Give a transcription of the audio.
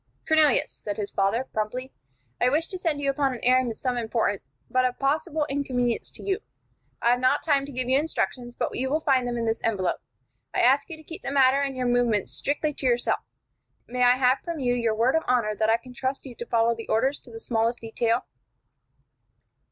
"Cornelius," said his father, promptly, "I wish to send you upon an errand of some importance, but of possible inconvenience to you. I have not time to give you instructions, but you will find them in this envelope. I ask you to keep the matter and your movements strictly to yourself. May I have from you your word of honor that I can trust you to follow the orders to the smallest detail?"